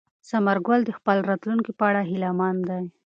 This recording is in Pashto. ثمر ګل د خپل راتلونکي په اړه هیله من دی.